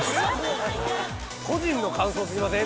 個人の感想すぎません？